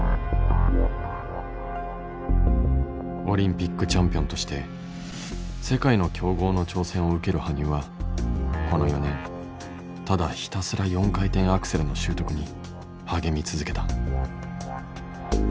オリンピックチャンピオンとして世界の強豪の挑戦を受ける羽生はこの４年ただひたすら４回転アクセルの習得に励み続けた。